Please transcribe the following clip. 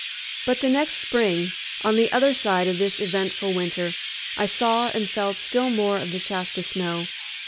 But the next spring, on the other side of this eventful winter, I saw and felt still more of the Shasta snow.